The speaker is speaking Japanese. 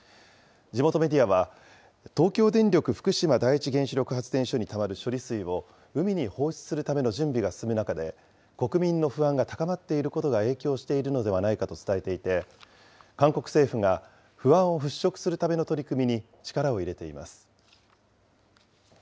地元メディアは、東京電力福島第一原子力発電所にたまる処理水を海に放出するための準備が進む中で、国民の不安が高まっていることが影響しているのではないかと伝えていて、韓国政府が不安を払拭するための取り組みに力を入れています。